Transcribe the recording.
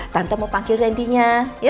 tante mau panggil randy nya